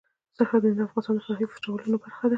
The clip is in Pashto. سرحدونه د افغانستان د فرهنګي فستیوالونو برخه ده.